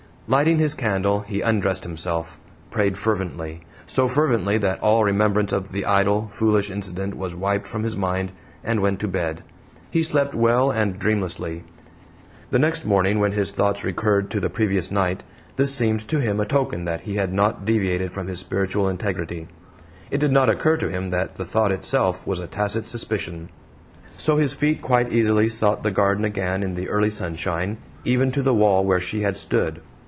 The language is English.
Lighting his candle, he undressed himself, prayed fervently so fervently that all remembrance of the idle, foolish incident was wiped from his mind, and went to bed. He slept well and dreamlessly. The next morning, when his thoughts recurred to the previous night, this seemed to him a token that he had not deviated from his spiritual integrity; it did not occur to him that the thought itself was a tacit suspicion. So his feet quite easily sought the garden again in the early sunshine, even to the wall where she had stood.